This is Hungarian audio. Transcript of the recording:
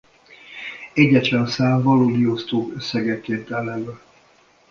Egyetlen szám valódiosztó-összegeként áll elő.